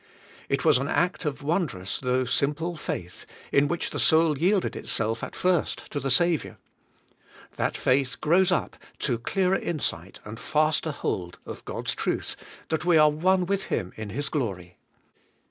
It was an act of wondrous though simple faith, in which the soul yielded itself at first to the Saviour. That faith grows up to clearer insight and faster hold of God's truth that we are one with Him in His glory.